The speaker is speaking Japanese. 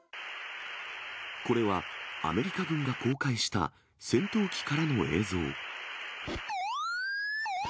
これは、アメリカ軍が公開した戦闘機からの映像。